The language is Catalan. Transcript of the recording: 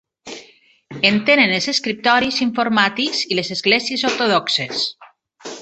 En tenen els escriptoris informàtics i les esglésies ortodoxes.